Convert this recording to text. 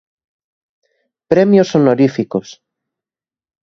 Premios honoríficos.